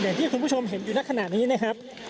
อย่างที่คุณผู้ชมเห็นอยู่ในขณะนี้นะครับ